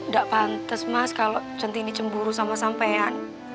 gak pantes mas kalau cintin cemburu sama sampean